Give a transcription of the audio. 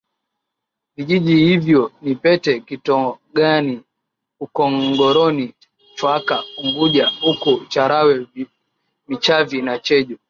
Vijiji hivyo ni Pete kitogani Ukongoroni Chwaka Unguja Ukuu Charawe Michamvi na cheju